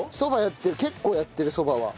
結構やってるそばは。